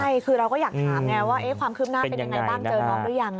ใช่คือเราก็อยากถามไงว่าความคืบหน้าเป็นยังไงบ้างเจอน้องหรือยัง